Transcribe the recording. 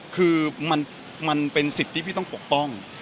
คือมันเป็นสิทธิ์ที่พี่ต้องปกป้อง